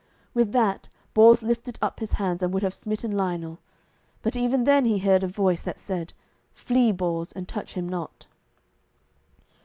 With that Bors lifted up his hands, and would have smitten Lionel, but even then he heard a voice that said, "Flee, Bors, and touch him not."